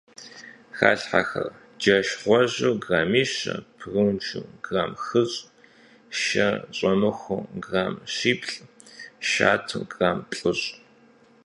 Халъхьэхэр: джэш гъуэжьу граммищэ, прунжу грамм хыщӏ, шэ щӀэмыхуу грамм щиплӏ, шатэу грамм плӏыщӏ.